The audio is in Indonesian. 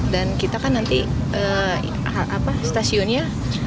dan kita kan nanti stasiunnya